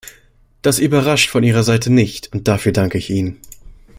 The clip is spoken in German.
Das überrascht von Ihrer Seite nicht, und dafür danke ich Ihnen.